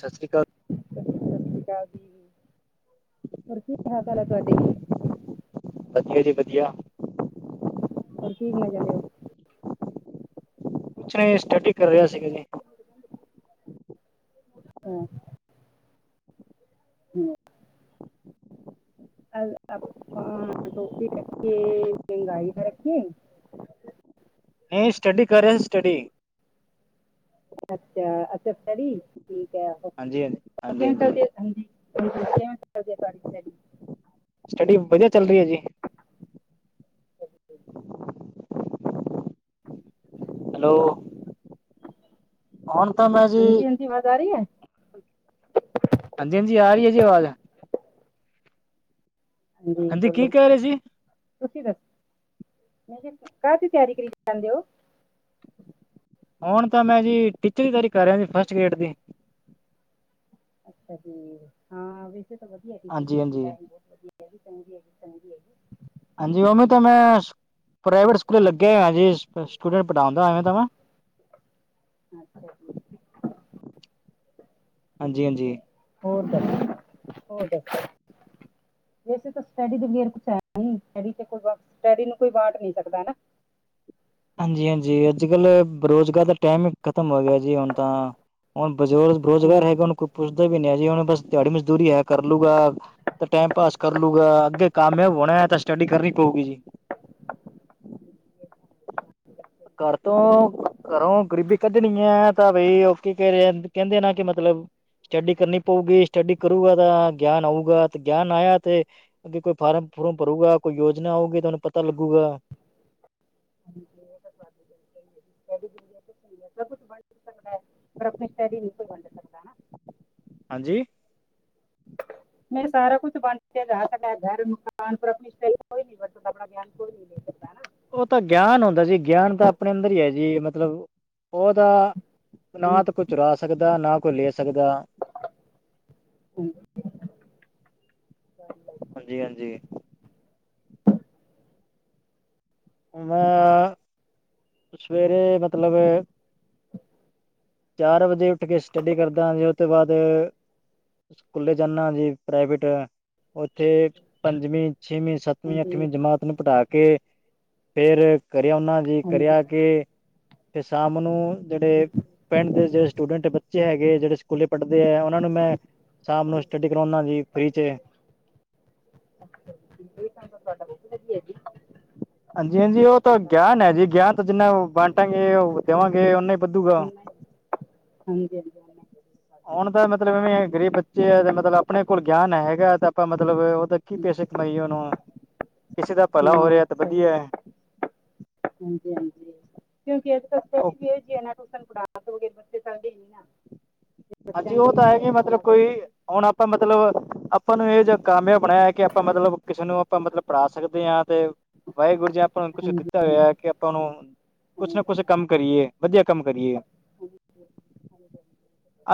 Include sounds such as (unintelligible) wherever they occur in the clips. ਸਤਿ ਸ਼੍ਰੀ ਅਕਾਲ (unintelligible) ਹੋਰ ਕੀ (unintelligible) ਵਧੀਆ ਜੀ ਵਧੀਆ ਹੋਰ ਕੀ ਬਣਾਏ ਜਾਂਦੇ ਹੋ? ਸਟੱਡੀ ਕਰ ਰਿਹਾ ਸੀਗਾ ਜੀ ਹਾਂ ਹਮ ਆਪ ਟੋਪੀ ਰੱਖ ਲਿੰਗਾਈ ਰੱਖੀਏ ਨਹੀਂ ਸਟਡੀ ਕਰੇ ਸਟਡੀ ਅੱਛਾ, ਅੱਛਾ ਸਟੱਡੀ ਠੀਕ ਹੈ ਹਾਂਜੀ, ਕਿਵੇਂ ਚਲਦੀ ਤੁਹਾਡੀ ਸਟੱਡੀ ਸਟੱਡੀ ਵਧੀਆ ਚੱਲ ਰਹੀ ਹੈ ਜੀ (unintelligible) ਹੈਲੋ। ਹੁਣ ਤਾਂ ਮੈ ਜੀ ਸੇਵਾਦਾਰੀ ਐ? ਹਾਂਜੀ, ਹਾਂਜੀ ਆ ਰੀਏ ਜੀ ਆਵਾਜ਼ ਜੀ, ਹਾਂਜੀ ਕੀ ਬੋਲੋ ਕਹਿ ਰਹੇ ਸੀ ਤੁਸੀਂ ਦੱਸੋ, ਕਾਹਦੀ ਤਿਆਰੀ ਕਰੀ ਜਾਂਦੇ ਹੋ? ਹੁਣ ਤਾਂ ਮੈਂ ਜੀ ਟੀਚਰ ਦੀ ਤਰੀ ਕਰ ਰਿਹਾ ਜੀ ਫਸਟ ਗ੍ਰੇਡ ਦੀ ਅੱਛਾ ਜੀ, ਹਾਂ ਵੈਸੇ ਤਾਂ ਵਧੀਆ ਟੀਚਰ ਹਾਂਜੀ ਹਾਂਜੀ ਲਾਈਨ ਬਹੁਤ ਵਧੀਆ ਇਹੀ ਤੰਗੀ, ਇਹੀ ਤੰਗੀ ਇਹੀ ਹਾਂਜੀ, ਉਵੇ ਤਾਂ ਮੈਂ ਪ੍ਰਾਈਵੇਟ ਸਕੂਲ ਲੱਗੇ ਜੀ ਸਟੂਡੈਂਟ ਪੜ੍ਹਾਉਂਦਾਵੇਂ ਤਾਂ ਮੈਂ ਅੱਛਾ ਜੀ, ਠੀਕ ਹਾਂਜੀ -ਹਾਂਜੀ। ਹੋ ਤਾਂ ਹੋ ਦ ਵੈਸੇ ਤਾਂ ਸਟੱਡੀ ਦੇ ਵਰ ਕੁਛ ਹੈ, ਸਟੱਡੀ ਕੋਈ ਸਟੱਡੀ ਨੂੰ ਕੋਈ ਵਾਂਟ ਨਹੀਂ ਸਕਦਾ ਹਨਾ ਹਾਂਜੀ -ਹਾਂਜੀ, ਅੱਜ ਕੱਲ੍ਹ ਰੁਜ਼ਗਾਰ ਦਾ ਟਾਈਮ ਹੀ ਖ਼ਤਮ ਹੋ ਗਿਆ ਜੀ ਹੁਣ ਤਾਂ ਹੁਣ ਬਜ਼ੁਰਗ ਹਾਂਜੀ ਰੁਜ਼ਗਾਰ ਹੈਗਾ ਉਹਨੂੰ ਸਟੱਡੀ ਕੋਈ ਪੁੱਛਦਾ ਵੀ ਨਹੀਂ ਅ ਜੀ ਉਹਨ ਬਸ ਦਿਹਾੜੀ ਮਜ਼ਦੂਰੀ ਹੈ ਕਰ ਲੂਗਾ ਤੇ ਟਾਈਮ ਪਾਸ ਕਰ ਲੂਗਾ, ਅੱਗੇ ਕਾਮਯਾਬ ਹੋਣਾ ਹੈ ਤਾਂ ਸਟੱਡੀ ਕਰਨੀ ਪਊਗੀ ਜੀ। ਦੇ ਬਗੈਰ ਘਰ ਤੋਂ ਘਰੋਂ ਗਰੀਬੀ ਕੱਢਣੀ ਹੈ ਤਾਂ ਬਈ ਉਹ ਕੀ ਕ ਕਹਿੰਦੇ ਨਾ ਕਿ ਮਤਲਬ ਸਟੱਡੀ ਕਰਨੀ ਪਊਗੀ, ਸਟੱਡੀ ਕਰੂਗਾ ਤਾਂ ਗਿਆਨ ਆਊਗਾ ਤੇ ਗਿਆਨ ਆਇਆ ਤੇ ਅੱਗੇ ਕੋਈ ਫਾਰਮ ਫਰਮ ਭਰੂਗਾ ਕੋਈ ਯੋਜਨਾ ਆਊਗੀ ਤੁਹਾਨੂੰ ਪਤਾ ਲੱਗੂਗਾ ਹਾਂਜੀ ਉਹ ਸਭ ਬਾ ਸਭ ਕੁਛ ਵੰਡ ਸਕਦਾ ਪਰ ਆਪਣੀ ਸਟਡੀ ਕੋਈ ਵੰਡ ਸਕਦਾ ਹਾਂਜੀ ਮੈਂ ਸਾਰਾ ਕੁਛ ਬਣ ਜਾ ਸਕਡ ਘਰ ਮਕਾਨ ਕੋਈ ਨ ਪਾ ਧਿਆਨ ਕੋਈ ਨੀ ਨਹੀਂ ਸਕਦਾ ਨਾ ਉਹ ਤਾਂ ਗਿਆਨ ਹੁੰਦਾ ਜੀ ਗਿਆਨ ਤਾਂ ਆਪਣੇ ਅੰਦਰ ਹੀ ਹੈ ਜੀ ਮਤਲਬ ਉਹਦਾ ਨਾ ਤਾਂ ਕੋਈ ਹਾਂਜੀ ਚੁਰਾ ਸਕਦਾ, ਨਾ ਕੋਈ ਲੈ ਸਕਦਾ (inaudible) ਹਾਂਜੀ- ਹਾਂਜੀ। ਮੈਂ ਸਵੇਰੇ ਮਤਲਬ ਚਾਰ ਵਜੇ ਉੱਠ ਕੇ ਸਟੱਡੀ ਕਰਦਾਾਂ ਉਹ ਤੋਂ ਬਾਅਦ ਸਕੂਲੇ ਜਾਂਦਾ ਜੇ ਪ੍ਰਾਈਵੇਟ ਉੱਥੇ ਪੰਜਵੀਂ, ਛੇਵੀਂ, ਸੱਤਵੀਂ, ਹਾਂਜੀ ਅੱਠਵੀਂ ਜਮਾਤ ਨੂੰ ਪੜਾ ਕੇ ਫੇਰ ਕਰਿਆ ਉਹਨਾਂ ਜੀ ਹਾਂਜੀ ਕਰਿਆ ਕੇ ਫਿਰ ਸ਼ਾਮ ਨੂੰ ਜਿਹੜੇ ਪਿੰਡ ਦੇ ਜਿਹੜੇ ਸਟੂਡੈਂਟ ਬੱਚੇ ਹੈਗੇ ਜਿਹੜੇ ਸਕੂਲੇ ਪੜ੍ਹਦੇ ਹੈ ਉਹਨਾਂ ਨੂੰ ਮੈਂ ਸਾਮ ਨੂੰ ਸਟੱਡੀ ਕਰਾਉਨਾ ਜੀ ਫਰੀ ਚ ਇਹ ਕੰਮ ਹੈ ਤੁਹਾਡਾ। ਹਾਂਜੀ -ਹਾਂਜੀ। ਹਾਂਜੀ- ਹਾਂਜੀ, ਉਹ ਤਾਂ ਕੰਮ ਗਿਆਨ ਹੈ ਜੀ ਕਰਿਆ ਗਿਆਨ ਤਾਂ ਜਿੰਨਾ ਵਾਂਟਾਂਗੇ ਉਹ ਦੇਵਾਂਗੇ ਓਨਾ ਹੀ ਵੱਧੂਗਾ। ਹਾਂਜੀ ਹਾਂਜੀ। ਹੁਣ ਤਾਂ ਮਤਲਬ ਐਵੇਂ ਗ਼ਰੀਬ ਬੱਚੇ ਆ ਤੇ ਮਤਲਬ ਆਪਣੇ ਕੋਲ ਗਿਆਨ ਹੈਗਾ ਤੇ ਆਪਾਂ ਮਤਲਬ ਉਹਦਾ। ਕੀ ਪੈਸੇ ਕਮਾਈਏ ਉਹਨੂੰ ਕਿਸੇ ਦਾ ਭਲਾ ਹੋ ਰਿਹਾ ਹਾਂ ਹੈ ਤਾਂ ਸਹੀ ਵਧੀਆ ਹੈ। ਹਾਂਜੀ ਹਾਂਜੀ ਕਿਉਂਕਿ ਇੱਥੇ ਸਟੱਡੀ ਉਹ ਵੀ ਇਹੀ ਜੀ ਆ ਨਾ। ਉਸ ਨੂੰ ਪੜਾ ਪੜੂ ਕੇ ਬੱਚੇ ਚੱਲਦੇ ਨਹੀਂ ਹੈ। ਹਾਂਜੀ ਉਹ ਤਾਂ ਹੈਗੇ ਮਤਲਬ ਬਹੁਤ ਕੋਈ ਹੁਣ ਆਪਾਂ ਮਤਲਬ। ਆਪਾਂ ਨੂੰ ਇਹ ਜਿਹਾ ਕਾਮਯਾਬ ਬਣਾਇਆ ਕਿ ਆਪਾਂ ਮਤਲਬ ਕਿਸੇ ਨੂੰ ਆਪਾਂ ਮਤਲਬ ਪੜ੍ਹਾ ਸਕਦੇ ਹਾਂ ਤੇ। ਵਾਹਿਗੁਰੂ ਜੀ ਆਪਾਂ ਨੂੰ ਹਾਂਜੀ ਕੁਛ ਹਾਂਜੀ ਦਿੱਤਾ ਹੋਇਆ ਹੈ। ਕਿ ਆਪਾਂ ਨੂੰ ਕੁਛ ਨਾ ਕੁਛ ਕੰਮ ਕਰੀਏ ਵਧੀਆ ਕੰਮ ਕਰੀਏ। ਹਾਂਜੀ ਹਾਂਜੀ।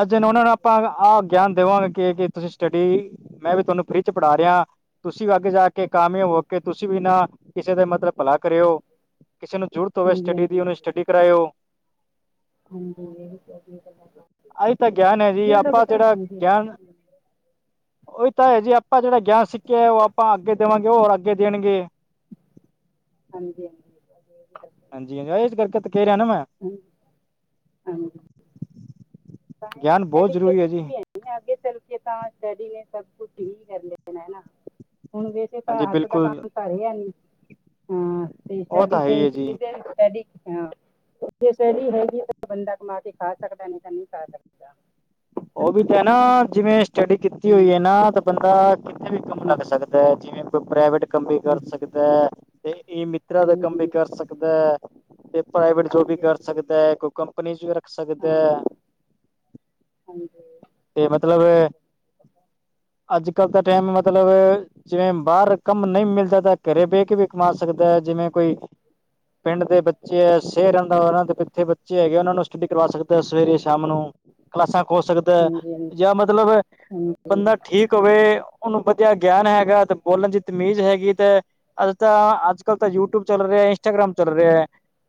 ਅੱਜ ਉਹਨਾਂ ਨੂੰ ਆਪਾਂ ਆਹ ਗਿਆਨ ਦੇਵਾਂਗੇ ਕਿ ਤੁਸੀਂ ਸਟੱਡੀ। ਮੈਂ ਵੀ ਤੁਹਾਨੂੰ ਫ੍ਰਰੀ ਚ ਪੜ੍ਹਾ ਰਿਹਾ ਤੁਸੀਂ ਵੀ ਅੱਗ ਜਾ ਕੇ ਕਾਮਯਾਬ ਹੋ ਕੇ ਤੁਸੀਂ ਵੀ ਨਾ ਕਿਸੇ ਦਾ ਮਤਲਬ ਭਲਾ ਕਰਿਓ ਕਿਸੇ ਨੂੰ ਜ਼ਰੂਰਤ ਹੋਵੇ ਸਟੱਡੀ ਦੀ ਹਾਂਜੀ ਉਹਨੂੰ ਸਟੱਡੀ ਕਰਾਇਓ (unintelligible) ਤੁਹਾਡੀ ਗਲਾ ਨਾਲ ਆਹੀ ਤਾਂ ਗਿਆਨ ਹੈ ਜੀ ਆਪਾਂ ਜਿਹੜਾ ਗਿਆਨ ਹਾਂਜੀ ਉਹੀ ਤਾਂ ਹੈ ਜੀ ਆਪਾਂ ਜਿਹੜਾ ਗਿਆਨ ਸਿੱਖਿਆ ਉਹ ਆਪਾਂ ਅੱਗੇ ਦੇਵਾਂਗੇ ਹੋਰ ਅੱਗੇ ਦੇਣਗੇ ਹਾਂਜੀ ਹਾਂਜੀ ਹਾਂਜੀ ਹਾਂਜੀ ਇਸ ਕਰਕੇ ਤੇੇ ਕਿਹਾ ਰਿਹਾ ਨਾ ਮੈਂ। ਹੂੰ ਹਾਂਜੀ। ਗਿਆਨ ਬਹੁਤ ਸਟੱਡੀਜ਼ ਲਾਇ ਜ਼ਰੂਰੀ ਕੁਛ ਜੀ ਵੀ ਹੈ। ਨਹੀਂ ਅੱਗੇ ਚੱਲਕੇ ਤਾਂ ਸਟੱਡੀ ਨੇ ਸਭ ਕੁਛ ਠੀਕ ਕਰ ਲਿਆ ਹਨਾ ਹੁਣ। ਹੁਣ ਤਾਂ ਹਾਂਜੀ ਹੱਥ ਦਾ ਬਿਲਕੁਲ ਕੰਮ ਤਾਂ ਰਿਹਾ ਨੀ। ਹਾਂ ਤੇ ਉਹ ਸਟੱਡੀ ਤਾਂ ਹੈ ਤੇ ਹੀ ਹੈ ਜੀ ਇਹਦੇ ਸਟੱਡੀ ਹਾਂ। ਕੋਈ ਸਟੱਡੀ ਹੈਗੀ ਹੈ। ਬੰਦਾ ਕਮਾ ਕੇ ਖਾ ਸਕਦਾ ਨਹੀਂ ਤਾਂ ਨਹੀਂ ਖਾ ਸਕਦਾ। ਉਹ ਵੀ ਤਾਂ ਹੈ ਨਾ ਜਿਵੇਂ ਸਟੱਡੀ ਕੀਤੀ ਹੂੰ, ਹੋਈ ਹੈ ਨਾ ਤਾਂ ਬੰਦਾ ਕਿੱਥੇ ਵੀ ਕੰਮ ਹੂੰ, ਲੱਗ ਸਕਦਾ। ਅਹ ਜਿਵੇਂ ਕੋਈ ਪ੍ਰਾਈਵੇਟ। ਕੰਮ ਵੀ ਕਰ ਹੂੰ, ਸਕਦਾ ਹੈ ਤੇ ਇਹ ਮਿਤਰਾਂ ਦਾ ਕੰਮ ਵੀ ਹਾਂਜੀ ਕਰ ਸਕਦਾ ਹੈ। ਤੇ ਪ੍ਰਾਈਵੇਟ ਜੋਬ ਵੀ ਹਾਂਜੀ ਕਰ ਹਾਂਜੀ, ਸਕਦਾ ਹੈ। ਕੋਈ ਕੰਪਨੀ 'ਚ ਵੀ ਰੱਖ ਸਕਦਾ ਹਾਂ ਹੈ। ਹਾਂਜੀ। ਤੇ ਮਤਲਬ ਅੱਜ ਕੱਲ੍ਹ ਦਾ ਟਾਈਮ ਮਤਲਬ। ਜਿਵੇਂ ਬਾਹਰ ਕੰਮ ਨਹੀਂ ਮਿਲਦਾ ਤਾਂ ਘਰੇ ਬਹਿ ਕੇ ਵੀ ਕਮਾ ਸਕਦਾ ਹੈ। ਜਿਵੇਂ ਕੋਈ। ਪਿੰਡ ਦੇ ਬੱਚੇ ਹੈ ਸ਼ਹਿਰ ਰਹਿੰਦਾ ਉਹਨਾਂ ਦੇ ਇੱਥੇ ਬੱਚੇ ਹੈਗੇ ਉਹਨਾਂ ਨੂੰ ਸਟੱਡੀ ਕਰਵਾ ਸਕਦੇ ਸਵੇਰੇ ਸ਼ਾਮ ਨੂੰ। ਕਲਾਸਾਂ ਖੋ ਸਕਦਾ ਹੈ ਹਾਂਜੀ ਹਾਂਜੀ ਜਾਂ ਮਤਲਬ ਹਾਂਜੀ ਬੰਦਾ ਠੀਕ। ਹੋਵੇ ਉਹਨੂੰ ਵਧੀਆ ਗਿਆਨ ਹੈਗਾ ਤੇ ਬੋਲਣ ਦੀ ਤਮੀਜ਼ ਹੈਗੀ ਤੇ। ਅੱਜ ਤਾਂ ਅੱਜ ਕੱਲ ਤਾਂ ਯੂਟਿਊਬ ਚੱਲ ਰਿਹਾ ਹੈ। ਇੰਸਟਾਗ੍ਰਾਮ ਚੱਲ ਰਿਹਾ ਹੈ,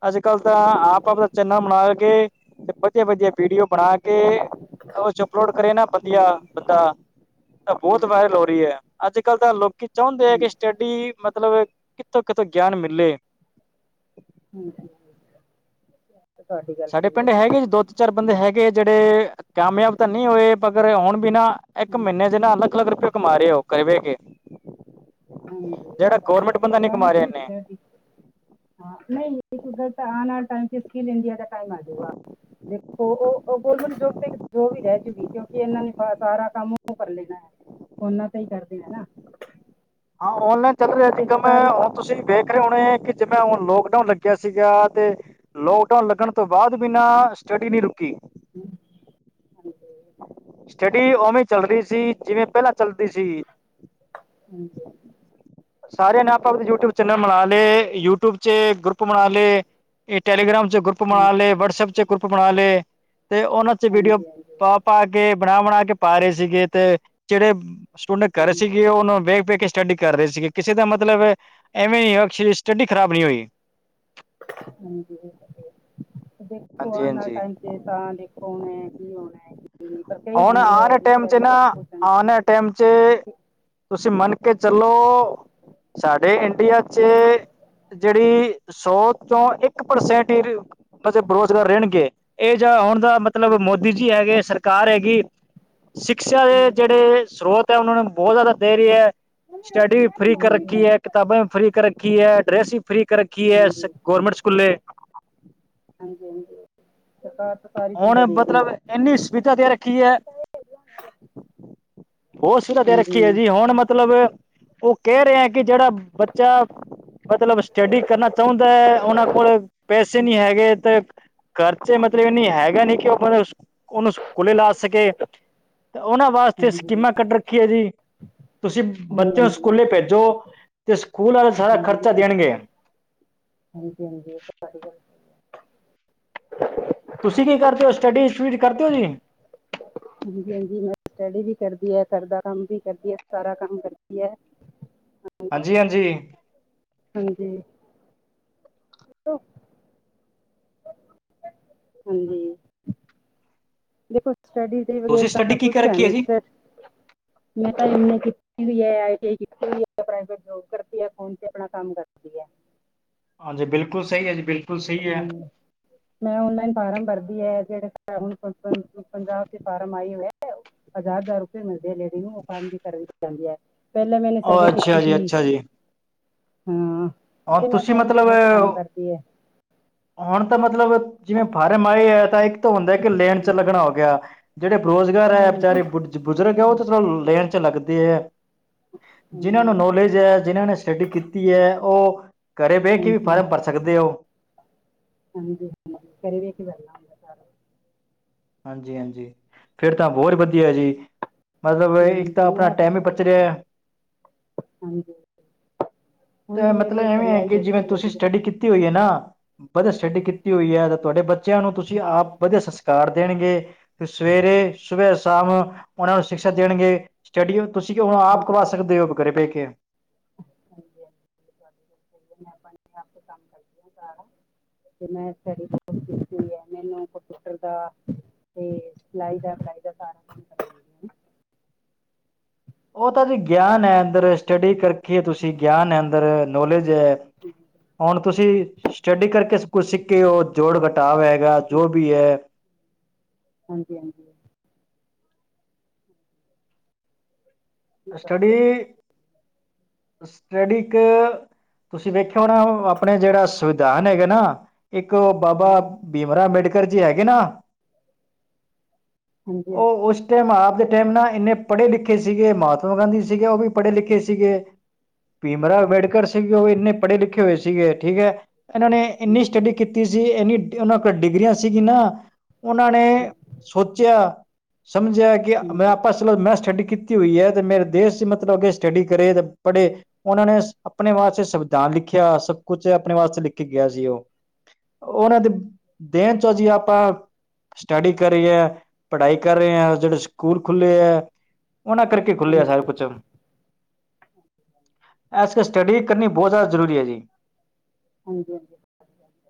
ਅੱਜ ਕੱਲ ਤਾਂ ਹਮ, ਆਪ ਆਪ ਦਾ। ਚਨੈਲ ਬਣਾ ਕੇ ਤੇ ਵਧੀਆ ਵਧੀਆ ਵੀਡੀਓ ਬਣਾ ਕੇ ਹਮ, ਉਹ 'ਚ। ਅਪਲੋਡ ਕਰੇ ਨਾ ਵਧੀਆ ਹਮ, ਬੰਦਾ। ਤਾਂ ਬਹੁਤ ਵਾਇਰਲ ਹੋ ਰਹੀ ਹੈ, ਅੱਜ-ਕੱਲ ਤਾਂ ਲੋਕੀ ਚਾਹੁੰਦੇ ਹਮ, ਹੈ ਹਮ, ਕਿ, ਸੱਟਡੀ ਮਤਲਬ ਕਿੱਥੋ-ਕਿੱਥੋ ਗਿਆਨ ਮਿਲੇ। ਹੂੰ, ਹੂੰ ਤੁਹਾਡੀ ਗੱਲ ਸਾਡੇ ਸਹੀ ਹੈ ਪਿੰਡ ਹੈਗੇ ਜੀ। ਦੋ ਤਿੰਨ, ਚਾਰ ਬੰਦੇ ਹੈਗੇ ਜਿਹੜੇ ਕਾਮਯਾਬ ਤਾਂ ਨਹੀਂ ਹੋਏ, ਪਗਰ ਹੁਣ ਵੀ ਨਾ, ਇੱਕ ਹਮ, ਮਹੀਨੇ ਜਿੰਨਾ ਲੱਖ ਲੱਖ ਰੁਪਿਆ ਹਮ, ਕਮਾ ਰਹੇ ਹਾਂ ਘਰੇ ਬੈਠ ਕੇ। ਹਾਂਜੀ ਇਹ ਜਿਹੜਾ ਤਾਂ ਗੌਰਮੈਂਟ ਹੈ ਬੰਦਾ ਨੀ ਕਮਾ ਰਿਹਾ ਹਾਂਜੀ ਇੰਨੇ ਭੈਣਜੀ ਹਾਂ ਨਹੀਂ ਇੱਕ ਗੱਲ ਤਾਂ ਆਹ ਨਾ ਟਾਈਮ ਤੇ ਸਕਿੱਲ ਇੰਡੀਆ ਦਾ ਟਾਈਮ ਆ ਜੂਗਾ। ਦੇਖੋ ਉਹ ਗੌਰਮੈਂਟ ਜੋਬ ਤੇ ਜੋ ਵੀ ਰਹਿ ਜੂਗੀ ਕਿਉਂਕਿ ਇਹਨਾਂ ਨੇ ਸਾਰਾ ਕੰਮ ਉਹ ਕਰ ਲੈਣਾ ਹੈ। ਉਹਨਾਂ ਤੇ ਹੀ ਕਰਦੇ ਆ ਨਾ। ਹਾਂ ਔਨਲਾਈਨ ਚੱਲ ਰਿਹਾ ਅੱਜ ਤੇ ਕਲ ਸਰਕਾਰੀ ਅਹ ਤੁਸੀਂ। ਵੇਖ ਰਹੇ ਹੋਣੇ, ਕਿ ਜਿਵੇਂ ਹੁਣ ਲੋਕਡਾਊਨ ਲੱਗਿਆਂ ਸੀਗਾ ਤੇ ਲੋਕਡਾਊਨ ਲੱਗਣ ਤੋਂ ਬਾਅਦ ਵੀ ਨਾਂ ਸਟੱਡੀ ਨਹੀਂ ਰੁਕੀ। ਹੂੰ ਸਟੱਡੀ ਉਵੇਂ ਚੱਲ ਰਹੀ ਸੀ, ਜਿਵੇਂ ਪਹਿਲਾਂ ਚੱਲਦੀ ਸੀਗੀ। ਹਾਂਜੀ ਹਾਂਜੀ ਹਾਂਜੀ ਸਾਰਿਆਂ ਨੇ ਆਪਾਂ ਆਪਦੇ ਯੂਟਿਊਬ ਚੈਨਲ ਬਣਾ ਲਏ, ਯੂਟਿਊਬ'ਚੇ ਗਰੁੱ ਪ ਬਣਾ ਲਏ, ਇਹ ਟੈਲੀਗ੍ਰਾਮ'ਚ ਗਰੁੱਪ ਬਣਾ ਹਾਂਜੀ ਲਏ, ਵਟਸਪ'ਚ ਗਰੁੱਪ ਬਣਾ ਲਏ ਪੁ ਤੇ ਉਹਨਾਂ'ਚ ਵੀਡੀਓ ਹਾਂਜੀ ਪਾ-ਪਾ ਕੇ, ਬਣਾ-ਬਣਾ ਕੇ ਪਾ ਰਹੇ ਸੀਗੇ, ਤੇ ਜਿਹੜੇ ਸਟੁੰਨ ਘਰ ਸੀਗੀ, ਉਹਨੂੰ ਬ (inaudible) ਪੇਕੇ ਸਟੱਡੀ ਕਰ ਰਹੇ ਸੀਗੇ, ਕਿਸੇ ਦਾ ਮਤਲਬ ਐਵੇਂ ਨੀ ਹੋਇ ਸਟੱਡੀ ਖ਼ਰਾਬ ਨਹੀਂ ਹੋਈ। ਹਾਂਜੀ, ਦੇਖੋ ਹਾਂਜੀ ਆਉਣ ਵਾਲ ਹਾਂਜੀ ਟਾਈਮ ਤੇ, ਤਾਂ ਦੇਖੋ, ਹੋਣਾ, ਕੀ ਹੋਣਾ ਕੀ, ਨਹੀਂ ਕਰ ਹੁਣ ਆਰ ਟਾਈਮ'ਚ ਆਨਾ ਟਾਈਮ 'ਚ ਤੁਸੀਂ ਮੰਨ ਕੇ ਚੱਲੋ। ਸਾਡੇ ਇੰਡੀਆ'ਚ ਜਿਹੜੀ ਸੌ, ਚੋ ਇੱਕ ਪਰਸੈਂਟ ਹੀ ਮਤਲਬ ਬੇਰੁਜ਼ਗਾਰ ਰਹਿਣਗੇ। ਇਹ ਜਾਂ ਆਉਣ ਦਾ ਮਤਲਬ ਹਾਂਜੀ ਮੋਦੀ ਜੀ ਹੈਗੇ ਆ ਸਰ ਕਾਰ ਹੈਗੀ, ਸਿੱਕਸ਼ਾ ਦੇ ਜਿਹੜੇ ਸਰੋਤ ਹੈ, ਉਹਨਾਂ ਨੂੰ ਬਹੁਤ ਜ਼ਿਆਦਾ ਦੇ ਰਹੀ ਹੈ। ਸਟੱਡੀ ਵੀ ਫ੍ਰੀ ਕਰ ਰੱਖੀ ਹੈ, ਕਿਤਾਬਾਂ ਵੀ ਫ੍ਰੀ ਕਰ ਰੱਖੀ ਹੈ, ਡਰੈਸ ਵੀ, ਫ੍ਰੀ ਕਰ ਰੱਖੀ ਕੀ, ਐਸ ਹਾਂਜੀ ਗੌਰਮੈਂਟ ਸਕੂਲੇ ਹਾਂਜੀ- ਹਾਂਜੀ, ਸਰਕਾਰ ਸਾਰੀ ਸੁਵਿਧਾ ਹੁਣ, ਦੇ ਰਹੀ ਹੈ ਮਤਲਬ ਇੰਨੀ ਸੁਵਿਧਾ ਦੇ ਰੱਖੀ ਐ ਬਹੁਤ ਸੁਧਾ ਦੇ ਹਾਂਜੀ ਰੱਖੀਏ ਜੀ, ਹੁਣ ਮਤਲਬ ਉਹ ਕਹਿ ਰਿਹਾ ਹੈ, ਕਿ, ਜਿਹੜਾ ਬੱਚਾ ਮਤਲਬ ਸਟੱਡੀ ਕਰਨਾ ਚਾਹੁੰਦਾ ਐ, ਉਹਨਾਂ ਕੋਲ ਪੇਸੇ ਨੀ ਹੈਗੇ, ਤੇ, ਖਰਚੇ ਮਤਲਬ ਇਹ ਨਹੀਂ ਕਿ ਉਹ ਮ ਉਹੂੰ, ਸਕੁਲੇ ਲਾ ਸਕੇ ਕਿ (inaudible) ਤੇ ਉਹਨਾਂ ਵਾਸਤੇ, ਹਾਂਜੀ ਸਕੀਮਾਂ ਕੱਢ ਰੱਖੀਏ ਜੀ। ਤੁਸੀਂ ਹਾਂਜੀ ਬੱਚੇ ਨੂੰ ਹਾਂਜੀ ਸਕੂਲੇ ਭੇਜੋ, ਤੇ ਸਕੂਲ ਵਾਲੇ ਸਾਰਾ ਹਾਂਜੀ ਖਰਚਾ ਦੇਣਗੇ। ਹਾਂਜੀ- ਹਾਂਜੀ, ਏ ਤਾਂ ਤੁਹਾਡੀ ਗੱਲ ਤੁਸੀਂ ਕੀ ਕਰਦੇ ਹੋ? ਸਟੱਡੀ, ਸੀਡ ਕਰਦੇ ਹੋ ਜੀ? ਹ, ਹਾਂ, ਮੈਂ ਸਟੱਡੀ ਵੀ ਕਰਦੀ ਆ, ਘਰ ਦਾ ਕੰਮ ਵੀ ਕਰਦੀ ਏ, ਸਾਰਾ ਕੰਮ ਕਰਦੀ ਏ। ਹਾਂਜੀ-ਹਾਂਜੀ। ਹਾਂਜੀ, ਤੋ ਹਾਂਜੀ, ਦੇਖੋ ਸਟੱਡੀ ਤੁਸੀਂ ਸਟੱਡੀ ਕੀ ਕਰ ਪੁੱਛ ਰੱਖੀ ਹੈ ਨ (inaudible) (inaudible) ਮੈਂ, ਤਾਂ ਇਨੇ ਕੀਤਾ ਈ ਆ, ਆਈ ਨੀ ਆਈ ਕੀਤੀ ਹੋਈ ਐ, ਪ੍ਰਾਈਵੇਟ ਜੋਬ ਕਰਦੀ ਐ, ਫੋਨ ਤੇ ਆਪਣਾ ਕੰਮ ਕਰਦੀ ਐ। ਹਾਂਜੀ, ਬਿਲਕੁਲ ਸਹੀ ਹੈ ਜੀ। ਬਿਲ ਹੂੰ ਮੈਂ ਓਨਲਾਈਨ ਫਾਰਮ ਭਰਦੀ ਹੈ, ਜਿਹੜੇ ਹੁਣ ਪੰਜਾਬ ਚ ਫਾਰਮ ਆਈ ਹੋਈ ਐ ਹਜ਼ਾਰ ਹਜ਼ਾਰ ਰੁਪਏ ਮਿਲਦੇ ਨੇ ਲੇਡੀਜ਼ ਨੂੰ। ਉਹ ਫ਼ਾਰਮ ਵੀ (unintelligible) ਪਹਿਲਾਂ ਮੈਨੇ ਸਰਵੇ ਉਹ ਅੱਛਾ ਕੀਤੀ ਜੀ ਸੀ ਅੱਛਾ ਜੀ ਹਾਂ (unintelligible) (inaudible) ਔਰ ਤੇ ਮੈਂ, ਤੁਸੀਂ ਫੋਨ ਤੇ ਬਹੁਤ ਕੰਮ ਮਤਲਬ ਕਰਦੀ ਐ। ਹੁਣ ਤਾਂ ਮਤਲਬ ਜਿਵੇਂ ਫਾਰਮ ਆਏ ਐ, ਤਾਂ ਇੱਕ ਤਾਂ ਹੁੰਦਾ ਕਿ, ਲੇਣ 'ਚ ਹਮ, ਲੱਗਣਾ ਹੋ ਗਿਆ। ਜਿਹੜੇ ਬਰੋਜ਼ਗਾਰ ਨਹੀਂ ਐ, ਨਹੀਂ ਵਿਚਾਰੇ ਬੁ ਬੁਜ਼ੁਰਗ ਐ, ਉਹ ਹਮ, ਤਾਂ ਚਲੋਂ ਲੇਣ'ਚ ਲੱਗਦੇ ਐ। ਜਿਹਨਾਂ ਨੂੰ ਹਮ, ਨੌਲੇਜ ਐ, ਜਿਹਨਾਂ ਨੇ ਸਟੱਡੀ ਕੀਤੀ ਐ, ਉਹ ਘਰੇ ਬਹਿ ਕੇ ਵੀ ਹਾਂਜੀ ਫਾਰਮ ਕਰ ਸਕਦੇ ਹੋ। ਹਾਂਜੀ, ਹਾਂਜੀ, ਘਰੇ ਵੇਖਕੇ ਬੈਲਾਂ ਹਾਂਜੀ-ਹਾਂਜੀ। ਫੇਰ ਤਾਂ, ਹੋਰ ਵਧੀਆ ਜੀ। ਮਤਲਬ, ਇੱਕ ਹਮ, ਤਾ ਆਪਣਾ ਮੈਂ ਟੈਮ ਹੀ ਬਚ ਰਿਹਾ ਹਾਂਜੀ ਹੁਣ ਤਾਂ ਵੀ ਮਤਲਬ ਮੇਰੇ, ਐਵੇਂ ਘਰੇ ਹੈ ਆਈ ਕਿ ਜਿਵੇਂ ਬੈਠੇ ਆ ਤੁਸੀਂ ਲੋੇਡੀ ਦੇ ਸਟੱਡੀ ਕੀਤੀ ਹੋਈ ਹੈ ਨਾ ਵਧੀਆ ਸਟੱਡੀ ਕੀਤੀ ਹੋਈ ਹੈ ਤਾਂ ਤੁਹਾਡੇ ਬੱਚਿਆਂ ਨੂੰ ਤੁਸੀਂ ਹਾਂਜੀ ਆਪ ਵਧੀਆ ਸੰਸਕਾਰ ਦੇਣਗੇ। ਸਵੇਰੇ, ਸੁਬੇ ਸ਼ਾਮ ਉਹਨਾਂ ਨੂੰ ਸ਼ਿਕਸ਼ਾ ਦੇਣਗੇ ਸਟੱਡੀਓ ਤੁਸੀਂ ਕਿ ਹੁਣ ਆਪ ਕਰਵਾ ਹਾਂਜੀ ਸਕਦੇ ਹੋ ਘਰੇ ਬਹਿ ਕੇ ਹਾਂਜੀ ਹਾਂਜੀ ਤੁਹਾਡੀ ਗੱਲ (inaudible) (unintelligible) ਤੇ ਮੈਂ ਸਟਫੀ ਕੀਤੀ ਹੈ ਮੈਨੂੰ ਕਪਿਊਟਰ ਦਾ ਤੇ ਸਲਾਈ ਦਾ ਸਲਾਈ ਦਾ ਸਾਰਾ ਕੰਮ ਕਰਦੀ ਹਾਂ ਉਹ ਤਾਂ ਜ ਗਿਆਨ ਹੈ ਅੰਦਰ ਸਟੱਡੀ ਕਰਕੇ ਹਾਂ ਤੁਸੀਂ ਗਿਆਨ ਹੈ ਅੰਦਰ ਨੌਲੇਜ ਹੈ। ਹਾਂਜੀ ਹੁਣ ਤੁਸੀਂ ਸਟੱਡੀ ਕਰਕੇ ਕੁਛ ਸਿੱਖ ਕਿ ਉਹ ਜੋੜ ਘਟਾਵ ਹੈਗਾ ਜੋ ਵੀ ਹੈ। ਹਾਂਜੀ ਹਾਂਜੀ। ਤੁਹਾਡੀ ਸਟੱਡੀ ਗੱਲ ਸਹੀ ਹੈ ਸਟੱਡੀ ਕ, ਤੁਸੀਂ ਵੇਖਿਆ ਹੋਣਾ, ਆਪਣੇ ਜਿਹੜਾ ਸੰਵਿਧਾਨ ਹੈਗਾ ਨਾ ਇੱਕ ਬਾਬਾ ਹਾਂਜੀ ਭੀਮਰਾ ਅੰਬੇਡਕਰ ਜੀ ਹੈਗੇ ਨਾ। ਹਾਂਜੀ ਹਾਂਜੀ ਉਹ ਉਸ ਟਾਈਮ ਆਪ ਦੇ ਟਾਈਮ ਨਾ, ਇੰਨੇ ਪੜ੍ਹੇ ਲਿਖੇ ਸੀਗੇ ਮਾ ਮਹਾਤਮਾ ਗਾਂਧੀ ਸੀਗੇ, ਉਹ ਵੀ ਪੜ੍ਹੇ ਲਿਖੇ ਸੀਗੇ। ਭੀਮ ਰਾਵ ਹਾਂਜੀ ਅੰਬੇਡਕਰ ਸੀਗੇ ਉਹ ਇੰਨੇ ਪੜ੍ਹੇ ਲਿਖੇ ਹੋਏ ਸੀਗੇ ਠੀਕ ਹੈ, ਇਹਨਾਂ ਨੇ ਇੰਨੀ ਹਾਂਜੀ ਹਾਂਜੀ ਸਟੱਡੀ ਕੀਤੀ ਹਾਂਜੀ ਕੀਤੀ ਸੀ ਇਨੀ ਉਹਨਾਂ ਕੋਲ ਡਿਗਰੀਆਂ ਸੀਗੀ ਨਾ ਉਹਨਾਂ ਨੇ ਸੋਚਿਆ, ਸਮਝਿਆ ਕਿ ਮੈਂ ਆਪਾਂ ਚਲੋ ਮੈਂ ਸਟੱਡੀ ਕੀਤੀ ਹੋਈ ਹੈ। ਮੇਰੇ ਦੇਸ਼ ਚ ਮਤਲਬ ਅ ਸਟੱਡੀ ਕਰੇ ਤੇ ਪੜ੍ਹੇ ਉਹਨਾਂ ਨੇ ਆਪਣੇ ਵਾਸਤੇ ਸ ਜਾਂ ਲਿਖਿਆ ਸਭ ਕੁਛ ਆਪਣੇ ਵਾਸਤੇ ਲਿਖ ਗਿਆ ਸੀ ਉਹ ਉਹਨਾਂ ਦੇ ਦੇਣ ਚੋਂ ਜੀ ਆਪਾਂ ਸਟੱਡੀ ਕਰ ਰਹੀ ਹੈ। ਪੜ੍ਹਾਈ ਕਰ ਰਹੇ ਹ, ਜਿਹੜੇ ਸਕੂਲ ਖੁੱਲ੍ਹੇ ਹੈ ਉਹਨਾਂ ਕਰ ਖੁੱਲ੍ਹਿਆ ਸਾਰੇ ਕੁਛ ਐਸ ਸਟੱਡੀ ਕਰਨੀ ਬਹੁਤ ਜ਼ਿਆਦਾ ਜ਼ਰੂਰੀ ਹੈ ਜੀ। ਹਾਂਜੀ ਹਾਂਜੀ। ਹਾਂਜੀ